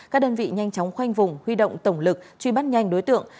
các đơn vị nhanh chóng khoanh vùng huy động tổng lực truy bắt nhanh đối tượng